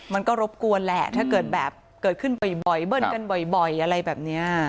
มันก็รบกวนแหละถ้าเกิดแบบเกิดขึ้นบ่อยเบิ้ลกันบ่อยอะไรแบบนี้